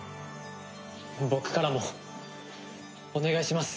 僕からもお願いします。